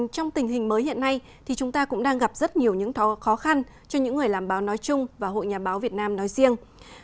trong tình hình mới hiện nay thì chúng ta cũng đang gặp rất nhiều những khó khăn cho những người làm báo nói chung và hội nhà báo việt nam nói riêng